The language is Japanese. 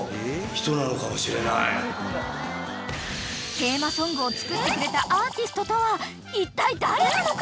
［テーマソングを作ってくれたアーティストとはいったい誰なのか］